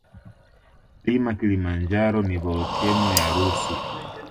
Mlima kilimanjaro ni volkeno ya rusu